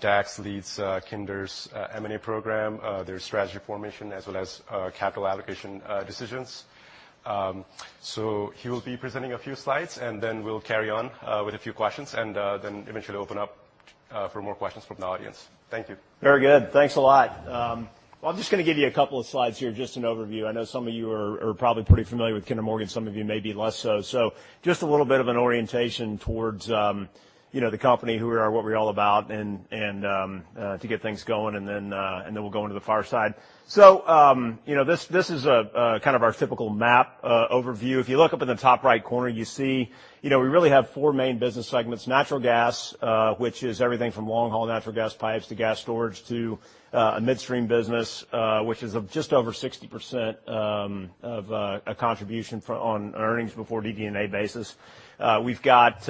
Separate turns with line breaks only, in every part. Dax leads Kinder's M&A program, their strategy formation, as well as capital allocation decisions. He will be presenting a few slides, and then we'll carry on with a few questions, and then eventually open up for more questions from the audience. Thank you.
Very good. Thanks a lot. I'm just going to give you 2 slides here, just an overview. I know some of you are probably pretty familiar with Kinder Morgan, some of you may be less so. Just a little bit of an orientation towards the company, who we are, what we're all about, and to get things going, and then we'll go into the far side. This is our typical map overview. If you look up in the top right corner, you see we really have 4 main business segments. Natural gas, which is everything from long-haul natural gas pipes to gas storage to a midstream business which is just over 60% of contribution on earnings before DD&A basis. We've got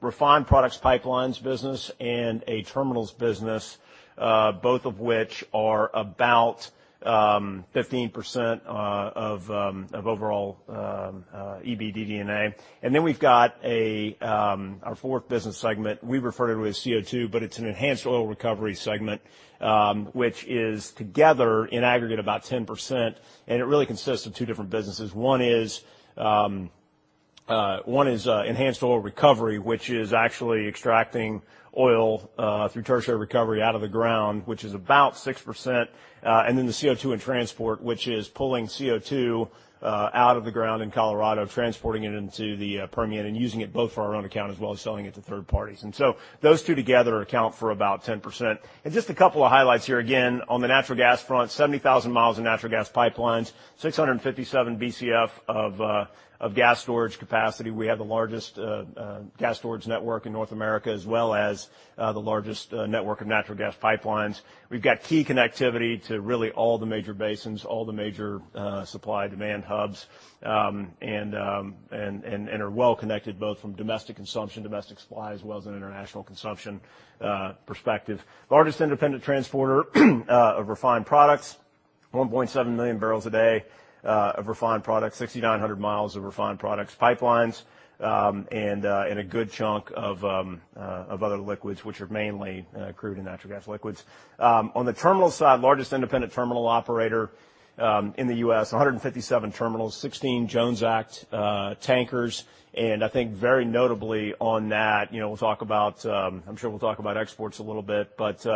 refined products pipelines business and a terminals business, both of which are about 15% of overall EBDDA. We've got our fourth business segment, we refer to as CO2, but it's an enhanced oil recovery segment, which is together in aggregate about 10%, and it really consists of two different businesses. One is enhanced oil recovery, which is actually extracting oil through tertiary recovery out of the ground, which is about 6%. The CO2 and transport, which is pulling CO2 out of the ground in Colorado, transporting it into the Permian, and using it both for our own account as well as selling it to third parties. Those two together account for about 10%. Just a couple of highlights here again, on the natural gas front, 70,000 miles of natural gas pipelines, 657 Bcf of gas storage capacity. We have the largest gas storage network in North America, as well as the largest network of natural gas pipelines. We've got key connectivity to really all the major basins, all the major supply demand hubs, and are well connected both from domestic consumption, domestic supply, as well as an international consumption perspective. Largest independent transporter of refined products, 1.7 million barrels a day of refined products, 6,900 miles of refined products pipelines, and a good chunk of other liquids, which are mainly crude and natural gas liquids. On the terminal side, largest independent terminal operator in the U.S., 157 terminals, 16 Jones Act tankers, I think very notably on that, I'm sure we'll talk about exports a little bit, but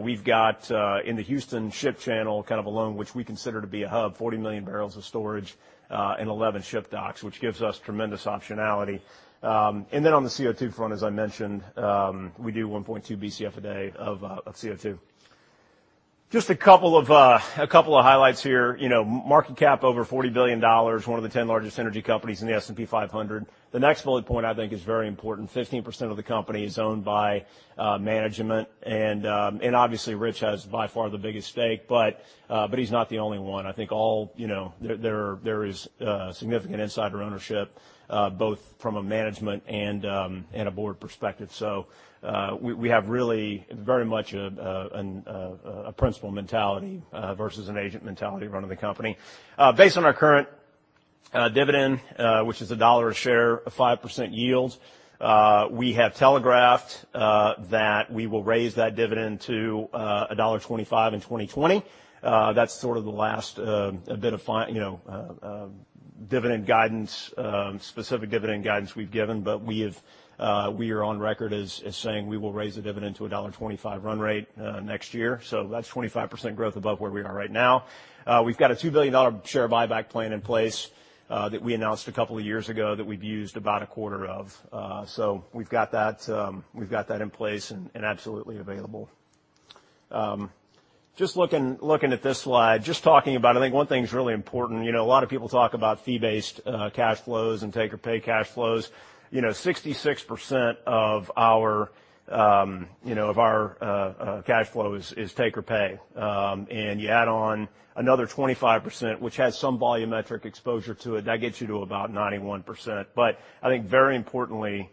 we've got in the Houston Ship Channel alone, which we consider to be a hub, 40 million barrels of storage, and 11 ship docks, which gives us tremendous optionality. On the CO2 front, as I mentioned, we do 1.2 Bcf a day of CO2. Just a couple of highlights here. Market cap over $40 billion, one of the 10 largest energy companies in the S&P 500. The next bullet point I think is very important, 15% of the company is owned by management. Obviously Rich has by far the biggest stake, but he's not the only one. I think there is significant insider ownership, both from a management and a board perspective. We have really very much a principal mentality versus an agent mentality running the company. Based on our current dividend, which is $1 a share, a 5% yield, we have telegraphed that we will raise that dividend to $1.25 in 2020. That's sort of the last bit of specific dividend guidance we've given. We are on record as saying we will raise the dividend to $1.25 run rate next year. That's 25% growth above where we are right now. We've got a $2 billion share buyback plan in place that we announced a couple of years ago that we've used about a quarter of. We've got that in place and absolutely available. Just looking at this slide, just talking about, I think one thing that's really important, a lot of people talk about fee-based cash flows and take-or-pay cash flows. 66% of our cash flow is take-or-pay. You add on another 25%, which has some volumetric exposure to it, that gets you to about 91%. I think very importantly,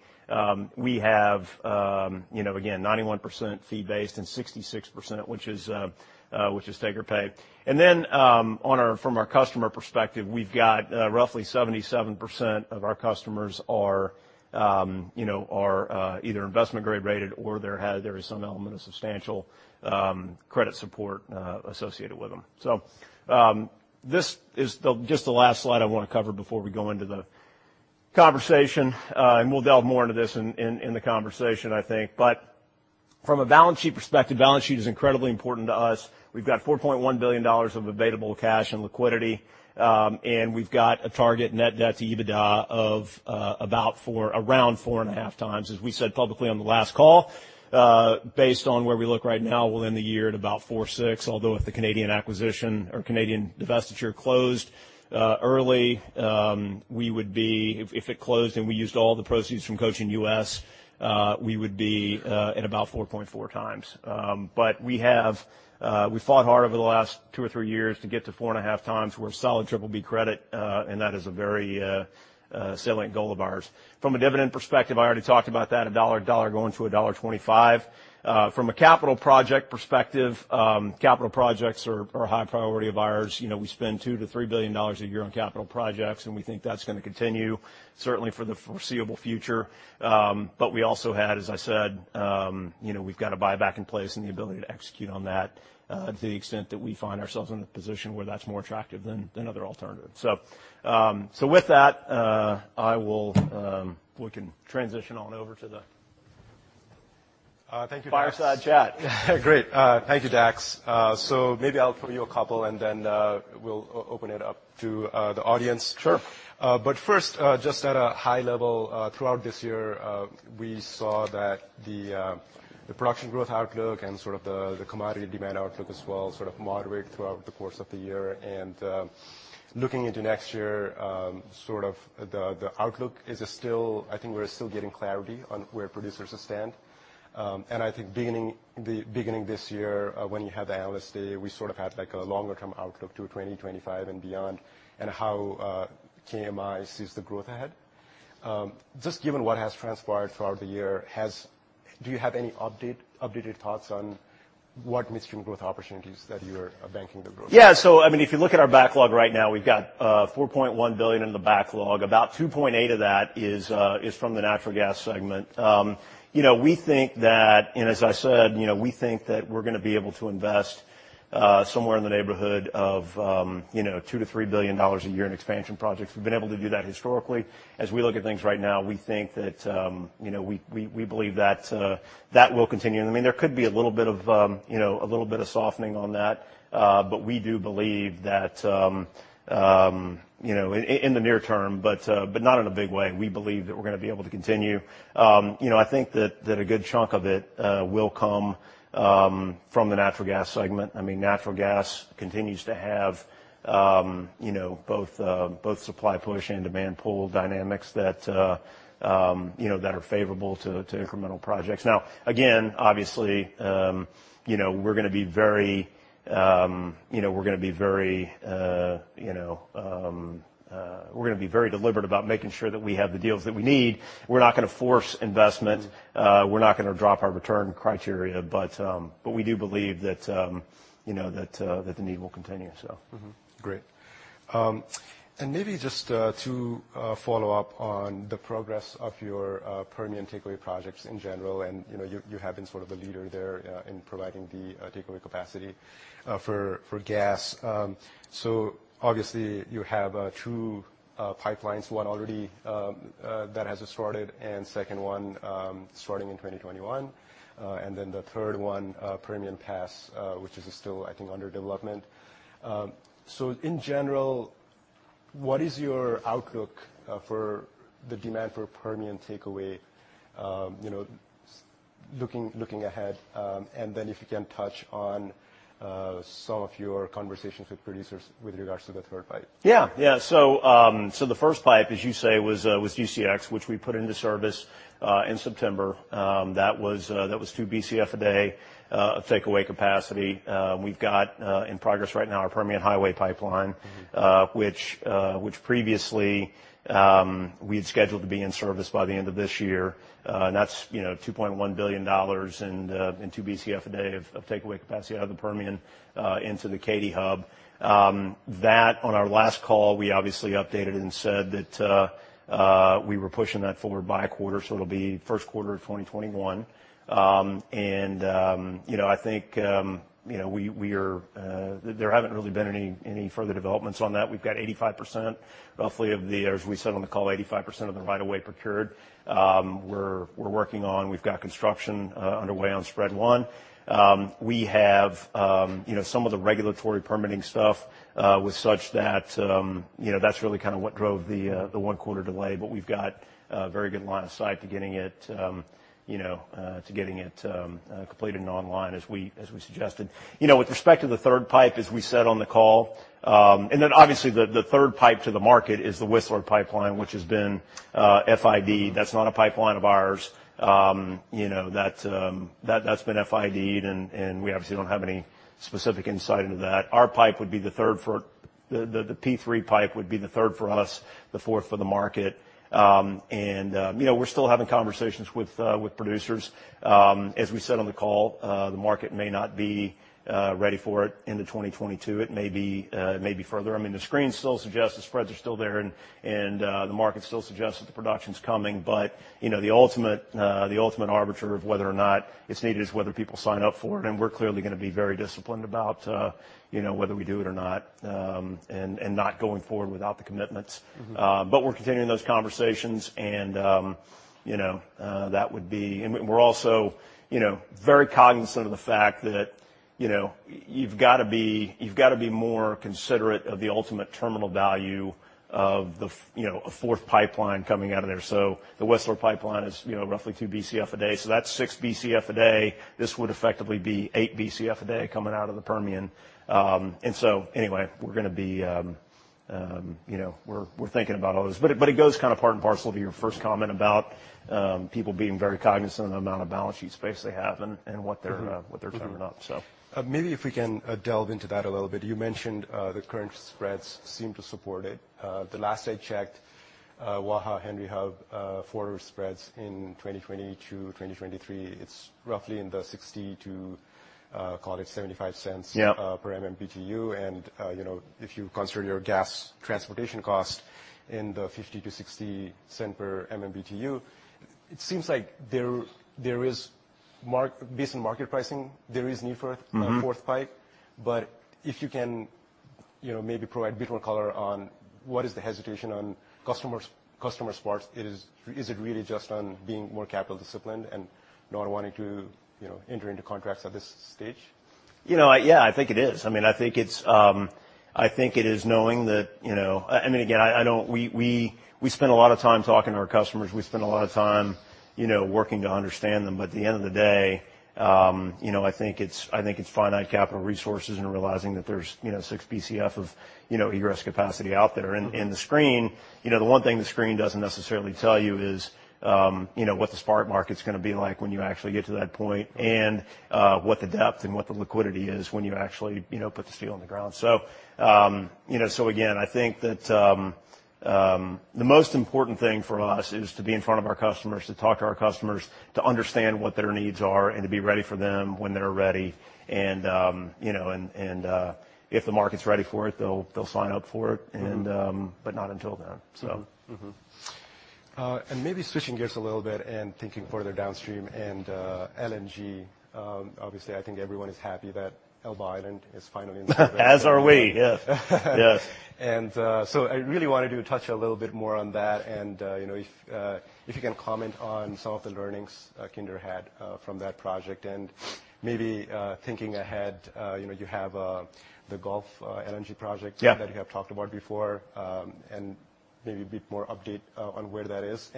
we have again, 91% fee based and 66%, which is take-or-pay. From our customer perspective, we've got roughly 77% of our customers are either investment grade rated or there is some element of substantial credit support associated with them. This is just the last slide I want to cover before we go into the conversation, and we'll delve more into this in the conversation, I think. From a balance sheet perspective, balance sheet is incredibly important to us. We've got $4.1 billion of available cash and liquidity. We've got a target net debt to EBITDA of around 4.5 times, as we said publicly on the last call. Based on where we look right now, we'll end the year at about 4.6, although if the Canadian acquisition or Canadian divestiture closed early, if it closed and we used all the proceeds from Cochin US, we would be at about 4.4 times. We fought hard over the last 2 or 3 years to get to 4.5 times. We're a solid BBB credit, and that is a very salient goal of ours. From a dividend perspective, I already talked about that, $1 going to $1.25. From a capital project perspective, capital projects are a high priority of ours. We spend $2 billion-$3 billion a year on capital projects, we think that's going to continue certainly for the foreseeable future. We also had, as I said, we've got a buyback in place and the ability to execute on that to the extent that we find ourselves in a position where that's more attractive than other alternatives. With that, we can transition on over to the.
Thank you, Dax.
Fireside chat.
Great. Thank you, Dax. Maybe I'll throw you a couple, and then we'll open it up to the audience.
Sure.
First, just at a high level, throughout this year, we saw that the production growth outlook and the commodity demand outlook as well moderate throughout the course of the year. Looking into next year, the outlook is still, I think we're still getting clarity on where producers stand. I think beginning this year, when you had the analyst day, we had a longer-term outlook to 2025 and beyond and how KMI sees the growth ahead. Just given what has transpired throughout the year, do you have any updated thoughts on what midstream growth opportunities that you're banking the growth?
Yeah. If you look at our backlog right now, we've got $4.1 billion in the backlog. About $2.8 billion of that is from the natural gas segment. As I said, we think that we're going to be able to invest somewhere in the neighborhood of $2 billion to $3 billion a year in expansion projects. We've been able to do that historically. As we look at things right now, we believe that will continue. There could be a little bit of softening on that, but we do believe that in the near term, but not in a big way. We believe that we're going to be able to continue. I think that a good chunk of it will come from the natural gas segment. Natural gas continues to have both supply push and demand pull dynamics that are favorable to incremental projects. Now, again, obviously we're going to be very deliberate about making sure that we have the deals that we need. We're not going to force investment. We're not going to drop our return criteria. We do believe that the need will continue.
Great. Maybe just to follow up on the progress of your Permian takeaway projects in general, you have been sort of the leader there in providing the takeaway capacity for gas. Obviously you have two pipelines, one already that has started, and second one starting in 2021. The third one, Permian Pass, which is still, I think, under development. In general, what is your outlook for the demand for Permian takeaway looking ahead? If you can touch on some of your conversations with producers with regards to the third pipe.
Yeah. The first pipe, as you say, was GCX, which we put into service in September. That was two Bcf a day of takeaway capacity. We've got in progress right now our Permian Highway Pipeline, which previously we had scheduled to be in service by the end of this year. That's $2.1 billion and 2 Bcf a day of takeaway capacity out of the Permian into the Katy Hub. That, on our last call, we obviously updated and said that we were pushing that forward by a quarter, so it'll be first quarter of 2021. I think there haven't really been any further developments on that. We've got 85%, roughly, of the right of way procured. We've got construction underway on spread 1. We have some of the regulatory permitting stuff was such that that's really what drove the one-quarter delay. We've got a very good line of sight to getting it completed and online as we suggested. With respect to the third pipe, obviously the third pipe to the market is the Whistler Pipeline, which has been FID. That's not a pipeline of ours. That's been FID'd, we obviously don't have any specific insight into that. The P3 pipe would be the third for us, the fourth for the market. We're still having conversations with producers. As we said on the call, the market may not be ready for it into 2022. It may be further. The screen still suggests the spreads are still there, the market still suggests that the production's coming. The ultimate arbiter of whether or not it's needed is whether people sign up for it, we're clearly going to be very disciplined about whether we do it or not going forward without the commitments. We're continuing those conversations, and we're also very cognizant of the fact that you've got to be more considerate of the ultimate terminal value of a fourth pipeline coming out of there. The Whistler Pipeline is roughly 2 Bcf a day. That's 6 Bcf a day. This would effectively be 8 Bcf a day coming out of the Permian. Anyway, we're thinking about all those. It goes part and parcel to your first comment about people being very cognizant of the amount of balance sheet space they have and what they're covering up.
Maybe if we can delve into that a little bit. You mentioned the current spreads seem to support it. The last I checked, Waha Henry Hub forward spreads in 2022, 2023, it's roughly in the 60 to, call it $0.75.
Yeah
per MMBtu. If you consider your gas transportation cost in the $0.50 to $0.60 per MMBtu, it seems like based on market pricing, there is need for a fourth pipe. If you can maybe provide a bit more color on what is the hesitation on customer part. Is it really just on being more capital disciplined and not wanting to enter into contracts at this stage?
Yeah, I think it is. We spend a lot of time talking to our customers. We spend a lot of time working to understand them. At the end of the day, I think it's finite capital resources and realizing that there's six Bcf of egress capacity out there. The one thing the screen doesn't necessarily tell you is what the spot market's going to be like when you actually get to that point, and what the depth and what the liquidity is when you actually put the steel on the ground. Again, I think that the most important thing for us is to be in front of our customers, to talk to our customers, to understand what their needs are, and to be ready for them when they're ready. If the market's ready for it, they'll sign up for it, but not until then.
Mm-hmm. Maybe switching gears a little bit and thinking further downstream and LNG. Obviously, I think everyone is happy that Elba Island is finally in service.
As are we. Yes.
I really wanted you to touch a little bit more on that and if you can comment on some of the learnings Kinder Morgan had from that project. Maybe thinking ahead, you have the Gulf LNG project.
Yeah
that you have talked about before, maybe a bit more update on where that is.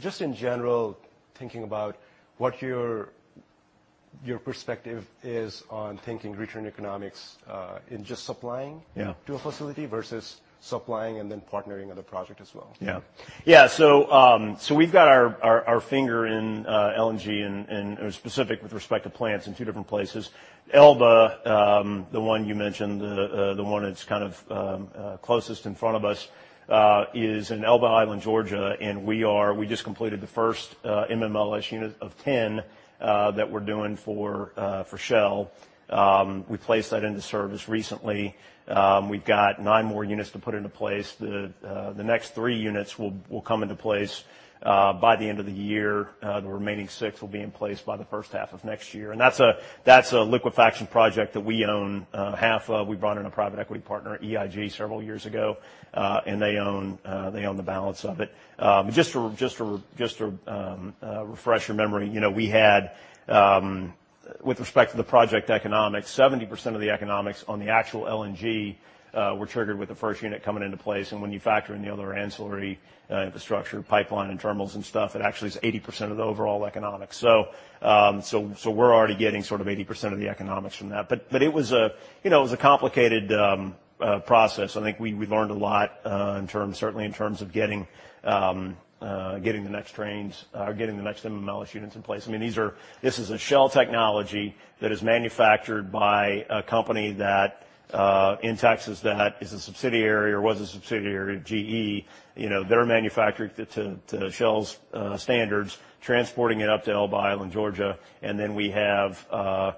Just in general, thinking about what your perspective is on thinking return economics in just supplying-
Yeah
to a facility versus supplying and then partnering on the project as well.
We've got our finger in LNG, and specific with respect to plants in two different places. Elba, the one you mentioned, the one that's kind of closest in front of us, is in Elba Island, Georgia, and we just completed the first MMLS unit of 10 that we're doing for Shell. We placed that into service recently. We've got nine more units to put into place. The next three units will come into place by the end of the year. The remaining six will be in place by the first half of next year. That's a liquefaction project that we own half of. We brought in a private equity partner, EIG, several years ago, and they own the balance of it. Just to refresh your memory, we had with respect to the project economics, 70% of the economics on the actual LNG were triggered with the first unit coming into place. When you factor in the other ancillary infrastructure pipeline and terminals and stuff, it actually is 80% of the overall economics. We're already getting sort of 80% of the economics from that. It was a complicated process. I think we learned a lot certainly in terms of getting the next MMLS units in place. This is a Shell technology that is manufactured by a company that in Texas that is a subsidiary or was a subsidiary of GE. They're manufacturing it to Shell's standards, transporting it up to Elba Island, Georgia. Then we have a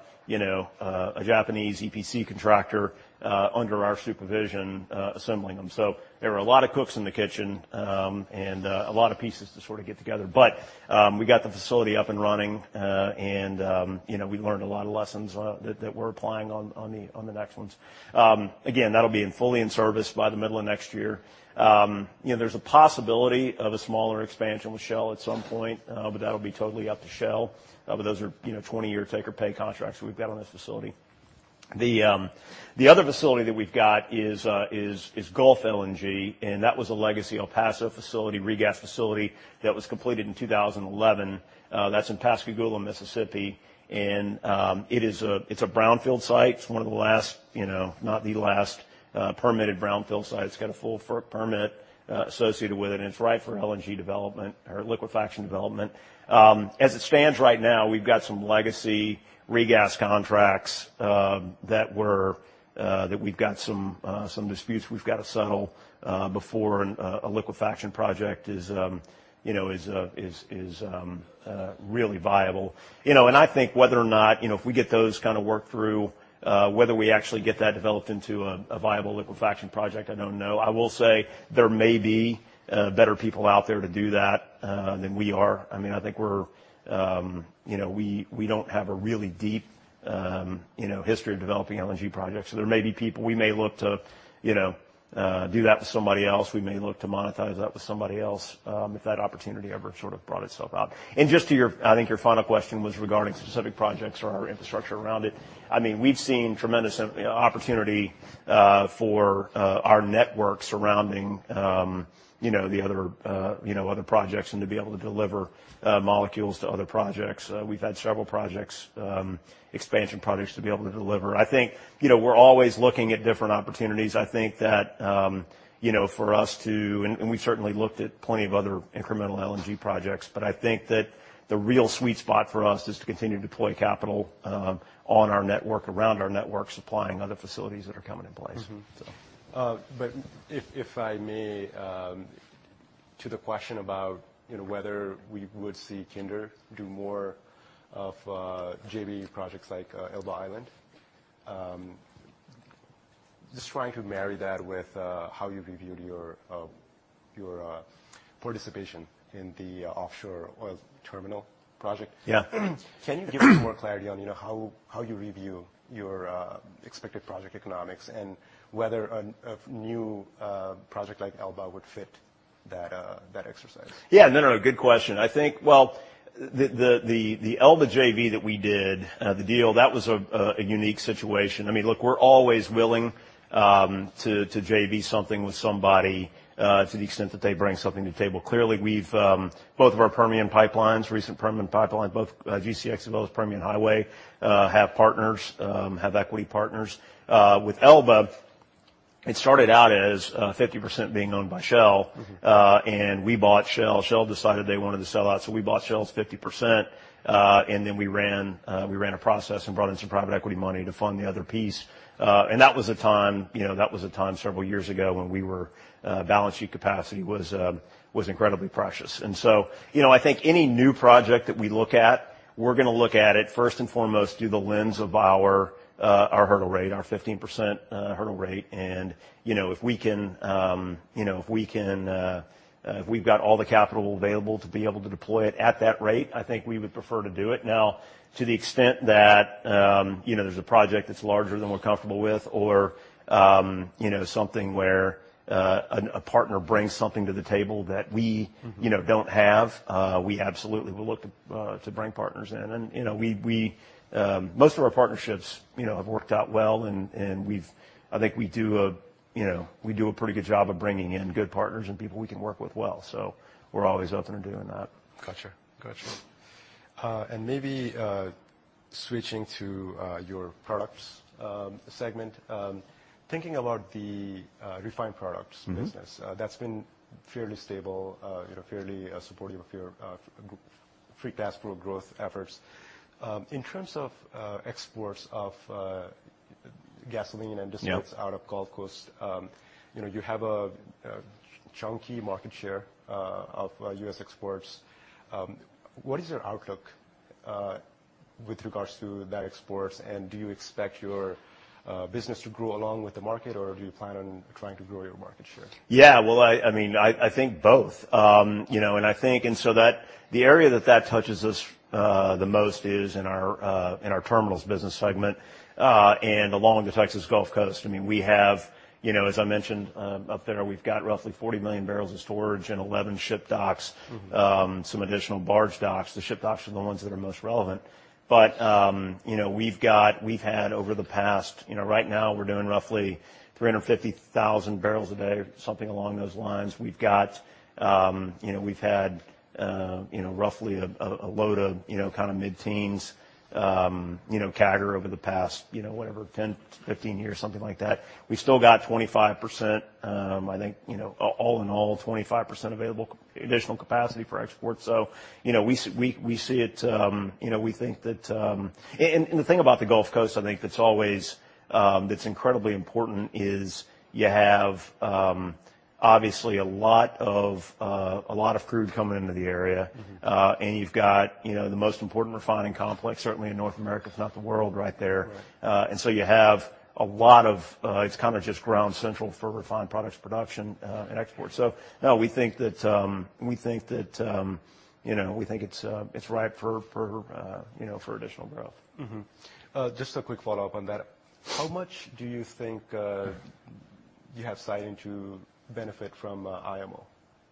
Japanese EPC contractor under our supervision assembling them. There were a lot of cooks in the kitchen and a lot of pieces to sort of get together. We got the facility up and running, and we learned a lot of lessons that we're applying on the next ones. Again, that'll be fully in service by the middle of next year. There's a possibility of a smaller expansion with Shell at some point, but that'll be totally up to Shell. Those are 20-year take-or-pay contracts we've got on this facility. The other facility that we've got is Gulf LNG, and that was a legacy El Paso facility, regas facility that was completed in 2011. That's in Pascagoula, Mississippi, and it's a brownfield site. It's one of the last, not the last permitted brownfield site. It's got a full FERC permit associated with it, and it's right for LNG development or liquefaction development. As it stands right now, we've got some legacy regas contracts that we've got some disputes we've got to settle before a liquefaction project is really viable. I think whether or not if we get those kind of worked through whether we actually get that developed into a viable liquefaction project, I don't know. I will say there may be better people out there to do that than we are. I think we don't have a really deep history of developing LNG projects. There may be people we may look to do that with somebody else. We may look to monetize that with somebody else if that opportunity ever sort of brought itself out. I think your final question was regarding specific projects or our infrastructure around it. We've seen tremendous opportunity for our network surrounding the other projects and to be able to deliver molecules to other projects. We've had several expansion projects to be able to deliver. I think we're always looking at different opportunities. We certainly looked at plenty of other incremental LNG projects, but I think that the real sweet spot for us is to continue to deploy capital on our network, around our network, supplying other facilities that are coming in place.
If I may, to the question about whether we would see Kinder do more of JV projects like Elba Island. Just trying to marry that with how you reviewed your participation in the offshore oil terminal project.
Yeah.
Can you give us more clarity on how you review your expected project economics and whether a new project like Elba would fit that exercise?
No, good question. I think, well, the Elba JV that we did, the deal, that was a unique situation. We're always willing to JV something with somebody to the extent that they bring something to the table. Both of our Permian pipelines, recent Permian pipeline, both GCX as well as Permian Highway have partners, have equity partners. Elba, it started out as 50% being owned by Shell. We bought Shell. Shell decided they wanted to sell out, so we bought Shell's 50%, and then we ran a process and brought in some private equity money to fund the other piece. That was a time several years ago when balance sheet capacity was incredibly precious. I think any new project that we look at, we're going to look at it first and foremost through the lens of our hurdle rate, our 15% hurdle rate. If we've got all the capital available to be able to deploy it at that rate, I think we would prefer to do it. Now, to the extent that there's a project that's larger than we're comfortable with or something where a partner brings something to the table. don't have, we absolutely will look to bring partners in. Most of our partnerships have worked out well, and I think we do a pretty good job of bringing in good partners and people we can work with well. We're always open to doing that.
Got you. Maybe switching to your products segment. Thinking about the refined products business. that's been fairly stable, fairly supportive of your free cash flow growth efforts. In terms of exports of gasoline and distillates.
Yeah
out of Gulf Coast. You have a chunky market share of U.S. exports. What is your outlook with regards to that exports, and do you expect your business to grow along with the market, or do you plan on trying to grow your market share?
Yeah. Well, I think both. The area that touches us the most is in our Terminals Business Segment, and along the Texas Gulf Coast. As I mentioned, up there we've got roughly 40 million barrels of storage and 11 ship docks. Some additional barge docks. The ship docks are the ones that are most relevant. Right now we're doing roughly 350,000 barrels a day, something along those lines. We've had roughly a load of mid-teens CAGR over the past whatever, 10-15 years, something like that. We still got 25%, I think, all in all, 25% available additional capacity for export. We think that. The thing about the Gulf Coast, I think that's incredibly important is you have obviously a lot of crude coming into the area. You've got the most important refining complex, certainly in North America, if not the world right there.
Right.
It's kind of just ground central for refined products production and export. No, we think that it's ripe for additional growth.
Just a quick follow-up on that. How much do you think you have sight into benefit from IMO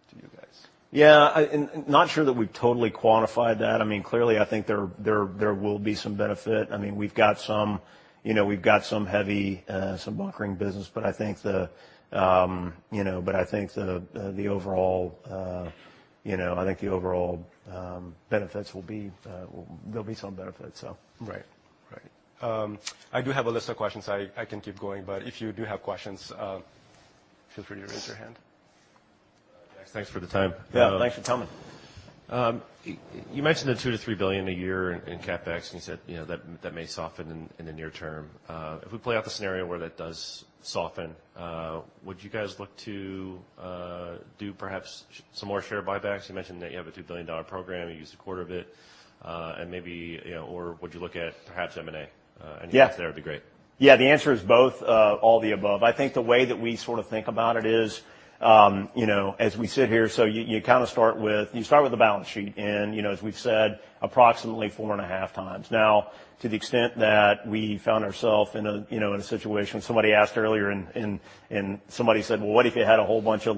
to you guys?
Yeah. Not sure that we've totally quantified that. Clearly, I think there will be some benefit. We've got some heavy, some bunkering business, but I think the overall benefits there'll be some benefits.
Right. I do have a list of questions. I can keep going, but if you do have questions, feel free to raise your hand.
Dax, thanks for the time.
Yeah. Thanks for coming.
You mentioned the $2 billion to $3 billion a year in CapEx, and you said that may soften in the near term. If we play out the scenario where that does soften, would you guys look to do perhaps some more share buybacks? You mentioned that you have a $2 billion program. You used a quarter of it. Maybe or would you look at perhaps M&A any?
Yeah
there would be great.
The answer is both, all the above. I think the way that we sort of think about it is, as we sit here, you start with a balance sheet and as we've said, approximately 4.5x. To the extent that we found ourselves in a situation, somebody asked earlier and somebody said, "Well, what if you had a whole bunch of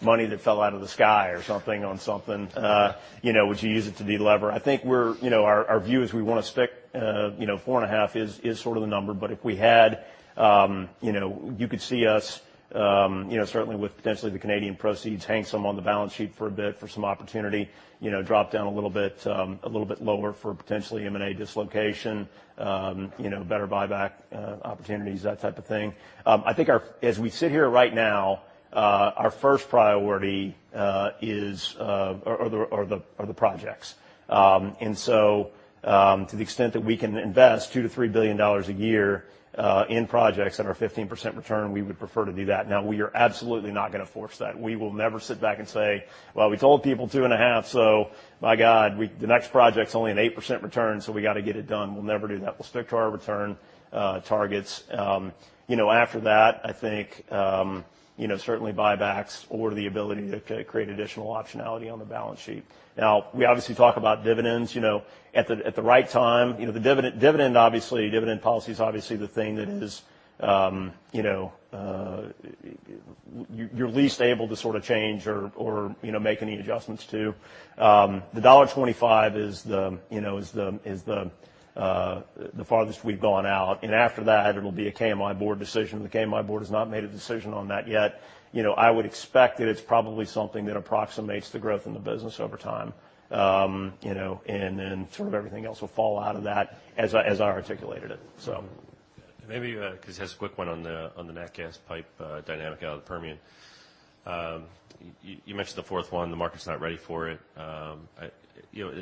money that fell out of the sky or something on something?" "Would you use it to delever?" I think our view is we want to stick, 4.5 is sort of the number, but if we had, you could see us certainly with potentially the Canadian proceeds, hang some on the balance sheet for a bit, for some opportunity, drop down a little bit lower for potentially M&A dislocation, better buyback opportunities, that type of thing. I think as we sit here right now, our first priority is are the projects. To the extent that we can invest $2 billion-$3 billion a year in projects that are 15% return, we would prefer to do that. We are absolutely not going to force that. We will never sit back and say, "Well, we told people two and a half, so by God, the next project's only an 8% return, so we got to get it done." We'll never do that. We'll stick to our return targets. After that, I think certainly buybacks or the ability to create additional optionality on the balance sheet. We obviously talk about dividends. At the right time. Obviously, dividend policy is obviously the thing that is you're least able to sort of change or make any adjustments to. The $1.25 is the farthest we've gone out. After that, it'll be a KMI board decision. The KMI board has not made a decision on that yet. I would expect that it's probably something that approximates the growth in the business over time. Sort of everything else will fall out of that as I articulated it.
Maybe, because I just have a quick one on the nat gas pipe dynamic out of the Permian. You mentioned the fourth one, the market's not ready for it.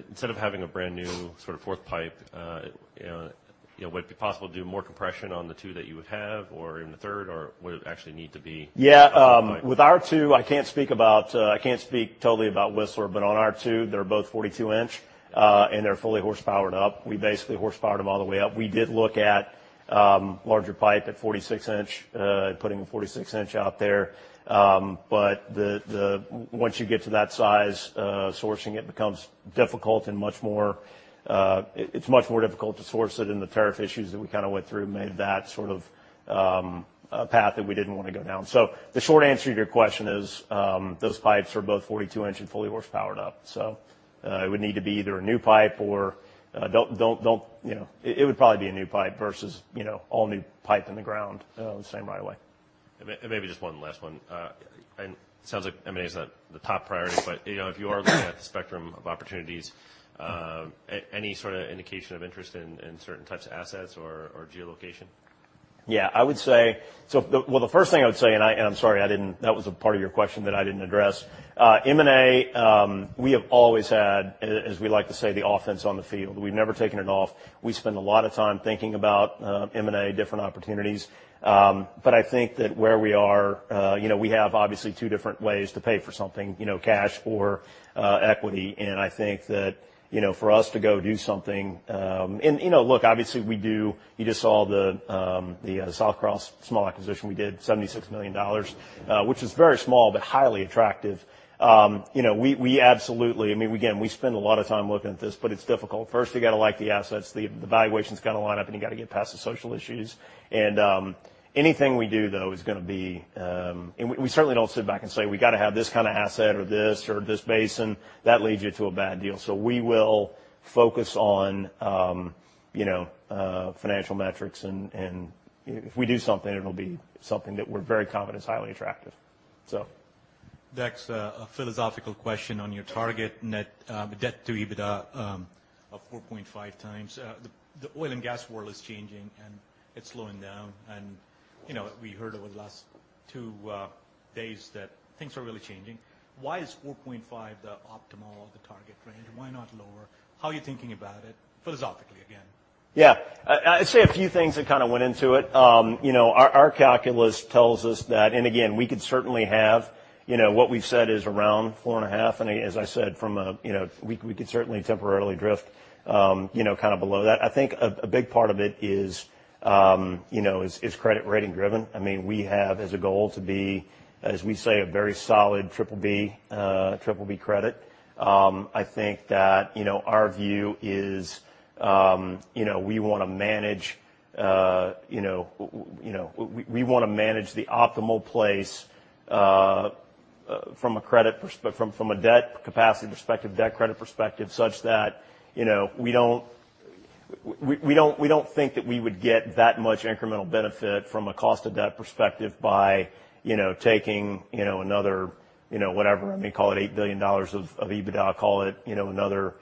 Instead of having a brand new fourth pipe, would it be possible to do more compression on the two that you would have or even the third, or would it actually need to be?
Yeah. With our 2, I can't speak totally about Whistler, on our 2, they're both 42-inch, and they're fully horsepowered up. We basically horsepowered them all the way up. We did look at larger pipe at 46-inch, putting a 46-inch out there. Once you get to that size, sourcing it becomes difficult, and it's much more difficult to source it in the tariff issues that we went through, made that sort of path that we didn't want to go down. The short answer to your question is, those pipes are both 42-inch and fully horsepowered up. It would need to be either a new pipe or it would probably be a new pipe versus all new pipe in the ground on the same right of way.
Maybe just one last one. It sounds like M&A is the top priority, but if you are looking at the spectrum of opportunities, any sort of indication of interest in certain types of assets or geolocation?
Yeah. The first thing I would say, and I'm sorry, that was a part of your question that I didn't address. M&A, we have always had, as we like to say, the offense on the field. We've never taken it off. We spend a lot of time thinking about M&A, different opportunities. I think that where we are, we have obviously two different ways to pay for something, cash or equity. I think that for us to go do something, you just saw the Southcross small acquisition we did, $76 million, which is very small, but highly attractive. We absolutely, again, we spend a lot of time looking at this, but it's difficult. First, you've got to like the assets, the valuations got to line up, and you got to get past the social issues. Anything we do, though, we certainly don't sit back and say, "We got to have this kind of asset or this or this basin." That leads you to a bad deal. We will focus on financial metrics, and if we do something, it'll be something that we're very confident is highly attractive.
Dax, a philosophical question on your target net debt to EBITDA of 4.5 times. The oil and gas world is changing, and it's slowing down, and we heard over the last two days that things are really changing. Why is 4.5 the optimal target range? Why not lower? How are you thinking about it philosophically, again?
Yeah. I'd say a few things that went into it. Our calculus tells us that, again, we could certainly have what we've said is around four and a half, as I said, we could certainly temporarily drift below that. I think a big part of it is credit rating driven. We have as a goal to be, as we say, a very solid BBB credit. I think that our view is we want to manage the optimal place from a debt capacity perspective, debt credit perspective, such that we don't think that we would get that much incremental benefit from a cost of debt perspective by taking another, whatever, call it $8 billion of EBITDA, call it paying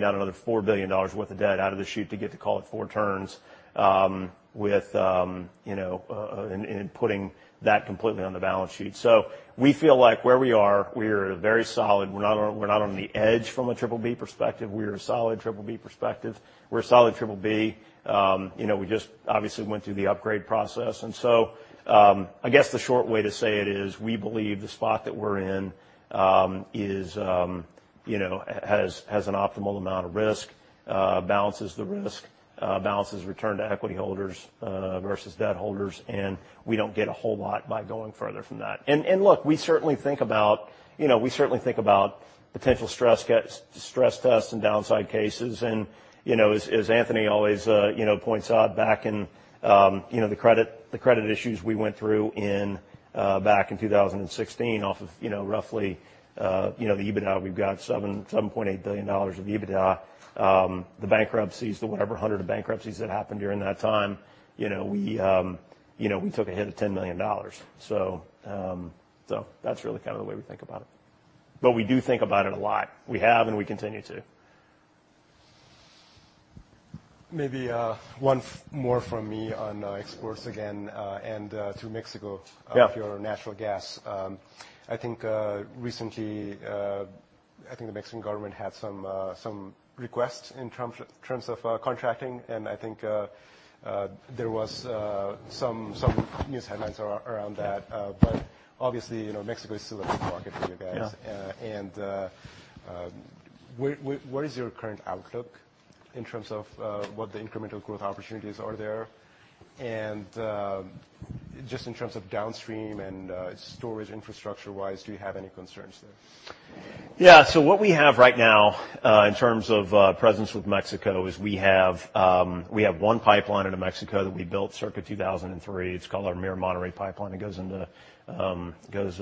down another $4 billion worth of debt out of the chute to get to call it four turns and putting that completely on the balance sheet. We feel like where we are, we are very solid. We're not on the edge from a BBB perspective. We're a solid BBB perspective. We're a solid BBB. We just obviously went through the upgrade process. I guess the short way to say it is we believe the spot that we're in has an optimal amount of risk, balances the risk, balances return to equity holders versus debt holders, and we don't get a whole lot by going further from that. Look, we certainly think about potential stress tests and downside cases. As Anthony always points out, back in the credit issues we went through back in 2016 off of roughly the EBITDA, we've got $7.8 billion of EBITDA. The bankruptcies, the whatever hundred of bankruptcies that happened during that time, we took a hit of $10 million. That's really the way we think about it. We do think about it a lot. We have, and we continue to.
Maybe one more from me on exports again and to Mexico.
Yeah
for your natural gas. I think recently, the Mexican government had some requests in terms of contracting, and I think there was some news headlines around that. Obviously, Mexico is still a big market for you guys.
Yeah.
What is your current outlook in terms of what the incremental growth opportunities are there? Just in terms of downstream and storage infrastructure-wise, do you have any concerns there?
What we have right now in terms of presence with Mexico is we have one pipeline into Mexico that we built circa 2003. It's called our Mier-Monterrey Pipeline. It goes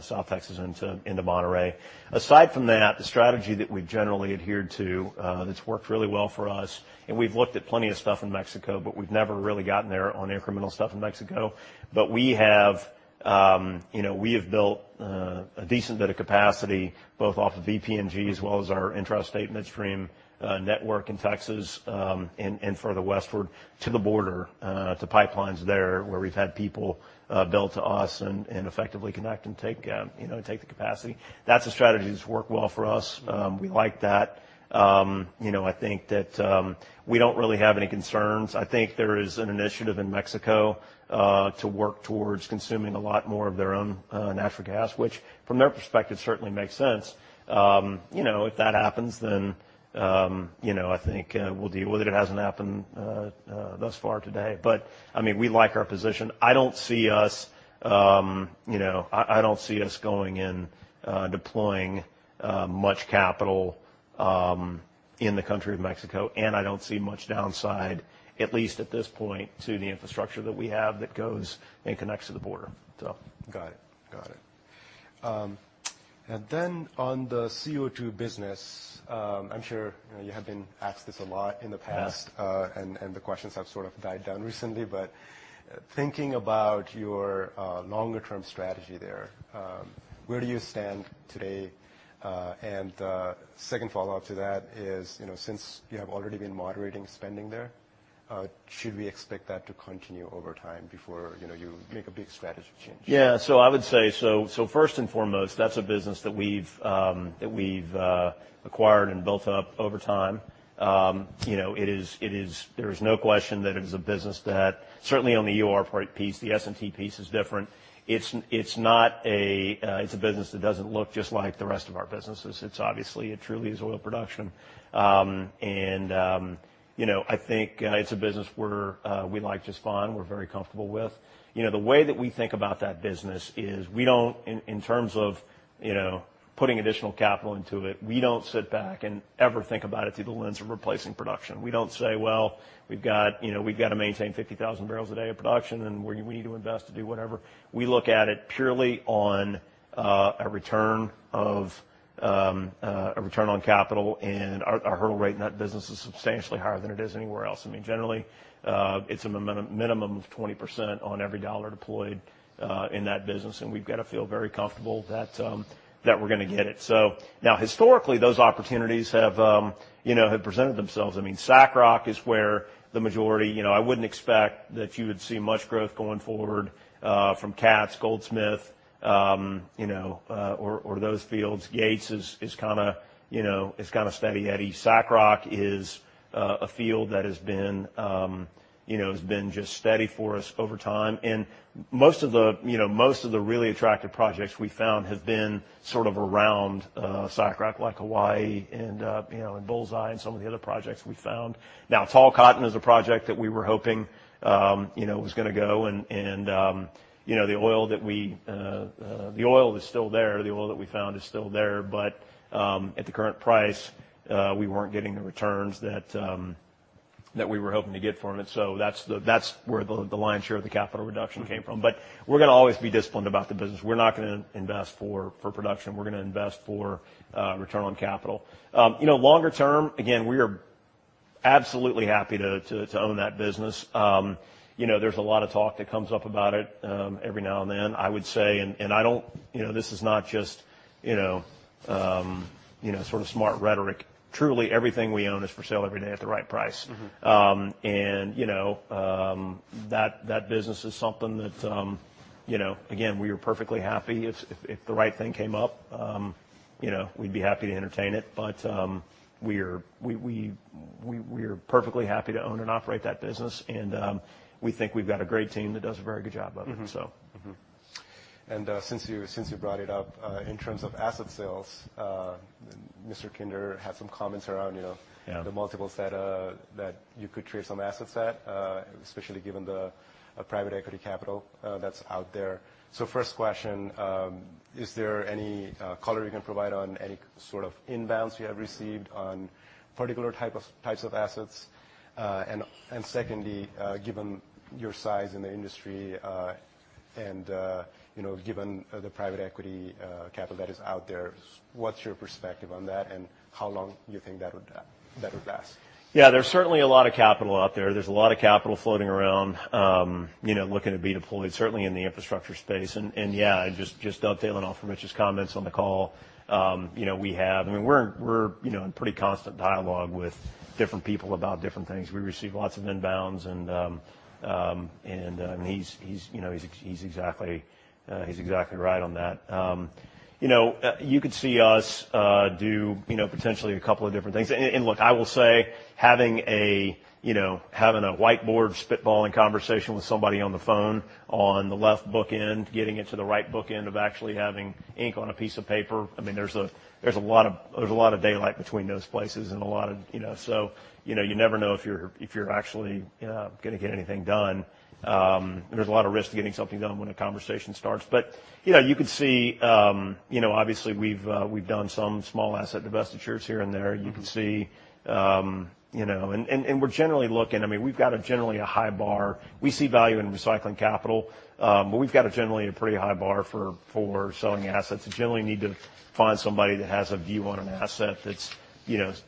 South Texas into Monterrey. Aside from that, the strategy that we've generally adhered to that's worked really well for us, and we've looked at plenty of stuff in Mexico, but we've never really gotten there on incremental stuff in Mexico. We have built a decent bit of capacity both off of EPNG as well as our intrastate midstream network in Texas and further westward to the border to pipelines there, where we've had people build to us and effectively connect and take the capacity. That's a strategy that's worked well for us. We like that. I think that we don't really have any concerns. I think there is an initiative in Mexico to work towards consuming a lot more of their own natural gas, which from their perspective certainly makes sense. If that happens, then I think we'll deal with it. It hasn't happened thus far today. We like our position. I don't see us going in deploying much capital in the country of Mexico, and I don't see much downside, at least at this point, to the infrastructure that we have that goes and connects to the border.
Got it. On the CO2 business, I'm sure you have been asked this a lot in the past and the questions have sort of died down recently, but thinking about your longer-term strategy there, where do you stand today? Second follow-up to that is, since you have already been moderating spending there, should we expect that to continue over time before you make a big strategy change?
Yeah. I would say, first and foremost, that's a business that we've acquired and built up over time. There is no question that it is a business that certainly on the EOR part piece, the E&P piece is different. It's a business that doesn't look just like the rest of our businesses. It's obviously, it truly is oil production. I think it's a business where we like to spawn, we're very comfortable with. The way that we think about that business is we don't, in terms of putting additional capital into it, we don't sit back and ever think about it through the lens of replacing production. We don't say, "Well, we've got to maintain 50,000 barrels a day of production, and we need to invest to do whatever." We look at it purely on a return on capital. Our hurdle rate in that business is substantially higher than it is anywhere else. Generally, it's a minimum of 20% on every dollar deployed in that business. We've got to feel very comfortable that we're going to get it. Now historically, those opportunities have presented themselves. SACROC is where I wouldn't expect that you would see much growth going forward from Katz, Goldsmith or those fields. Yates is kind of steady eddy. SACROC is a field that has been just steady for us over time. Most of the really attractive projects we found have been sort of around SACROC, like Hawaii and Bullseye and some of the other projects we found. Tall Cotton is a project that we were hoping was going to go and the oil is still there, the oil that we found is still there. At the current price, we weren't getting the returns that we were hoping to get from it. That's where the lion's share of the capital reduction came from. We're going to always be disciplined about the business. We're not going to invest for production. We're going to invest for return on capital. Longer term, again, we are absolutely happy to own that business. There's a lot of talk that comes up about it every now and then, I would say, this is not just sort of smart rhetoric. Truly, everything we own is for sale every day at the right price. That business is something that, again, we are perfectly happy if the right thing came up, we'd be happy to entertain it. We're perfectly happy to own and operate that business, and we think we've got a great team that does a very good job of it.
Mm-hmm. Since you brought it up, in terms of asset sales, Mr. Kinder had some comments around.
Yeah
the multiples that you could trade some assets at, especially given the private equity capital that's out there. First question, is there any color you can provide on any sort of inbounds you have received on particular types of assets? Secondly, given your size in the industry, and given the private equity capital that is out there, what's your perspective on that and how long do you think that would last?
There's certainly a lot of capital out there. There's a lot of capital floating around looking to be deployed, certainly in the infrastructure space. Just tailing off from Rich's comments on the call, we're in pretty constant dialogue with different people about different things. We receive lots of inbounds. He's exactly right on that. You could see us do potentially a couple of different things. Look, I will say, having a whiteboard spitballing conversation with somebody on the phone on the left bookend, getting it to the right bookend of actually having ink on a piece of paper. There's a lot of daylight between those places. You never know if you're actually going to get anything done. There's a lot of risk to getting something done when a conversation starts. You could see, obviously we've done some small asset divestitures here and there. We've got a generally high bar. We see value in recycling capital, but we've got a generally a pretty high bar for selling assets, and generally need to find somebody that has a view on an asset that's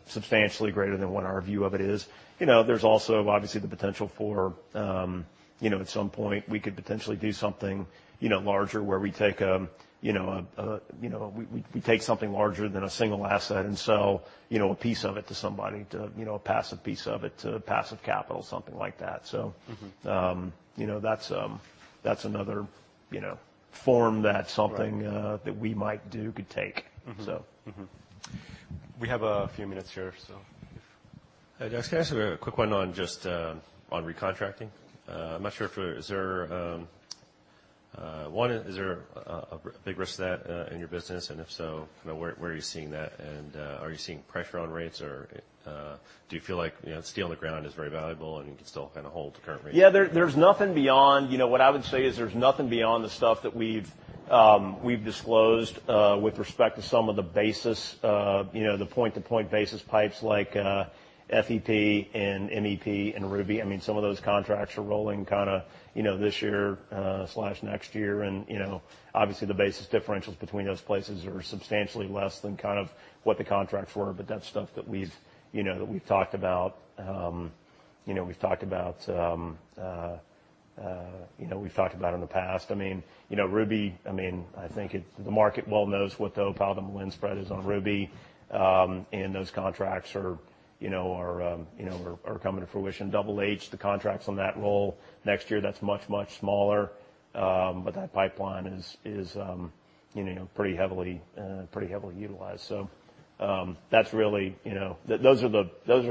substantially greater than what our view of it is. There's also obviously the potential for at some point we could potentially do something larger where we take something larger than a single asset and sell a piece of it to somebody, a passive piece of it to passive capital, something like that. That's another form.
Right
that we might do could take.
We have a few minutes here, so if
Hi, Dax. Can I ask a quick one on just on recontracting? I'm not sure, one, is there a big risk of that in your business? If so, where are you seeing that? Are you seeing pressure on rates or do you feel like steel in the ground is very valuable and you can still kind of hold the current rates?
Yeah, what I would say is there's nothing beyond the stuff that we've disclosed with respect to some of the point-to-point basis pipes like FEP and MEP and Ruby. Some of those contracts are rolling this year/next year. Obviously the basis differentials between those places are substantially less than what the contracts were. That's stuff that we've talked about in the past. Ruby, I think the market well knows what the Opal-Malin spread is on Ruby. Those contracts are coming to fruition. Double H, the contracts on that roll next year, that's much, much smaller. That pipeline is pretty heavily utilized. Those are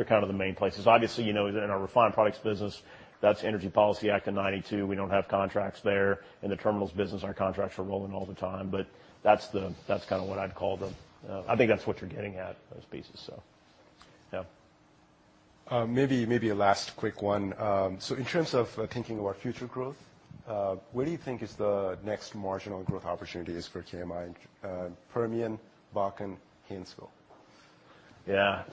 kind of the main places. Obviously, in our refined products business, that's Energy Policy Act of 1992. We don't have contracts there. In the terminals business, our contracts are rolling all the time. That's kind of what I'd call I think that's what you're getting at, those pieces, so yeah.
Maybe a last quick one. In terms of thinking about future growth, where do you think is the next marginal growth opportunities for KMI? Permian, Bakken, Haynesville?
Yeah.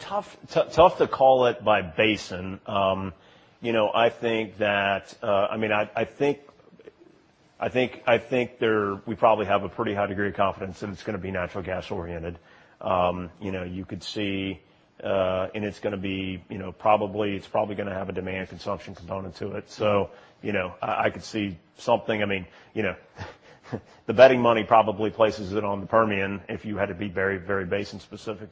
Tough to call it by basin. I think we probably have a pretty high degree of confidence that it's going to be natural gas oriented. It's probably going to have a demand consumption component to it. I could see something. The betting money probably places it on the Permian, if you had to be very basin specific.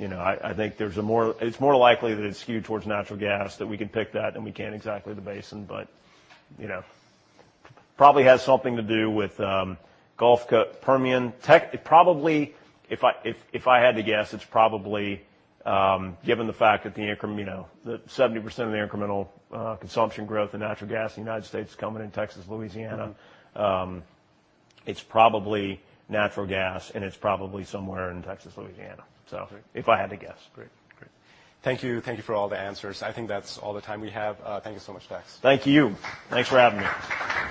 I think it's more likely that it's skewed towards natural gas, that we can pick that, and we can't exactly the basin, but probably has something to do with Gulf Permian. If I had to guess, it's probably given the fact that 70% of the incremental consumption growth in natural gas in the U.S. is coming in Texas, Louisiana. It's probably natural gas, and it's probably somewhere in Texas, Louisiana. If I had to guess.
Great. Thank you for all the answers. I think that's all the time we have. Thank you so much, Dax.
Thank you. Thanks for having me.